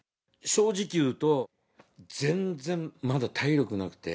正直言うと、全然まだ体力なくて、